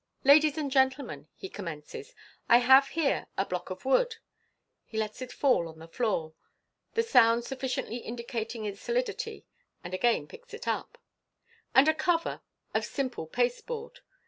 *' Ladies and gentlemen," he commences, " I have here a block of wood " (he lets it fall on the floor, the sound sufficiently indicating its solidity, and again picks it up), " and a cover of sin) pie pasteboard."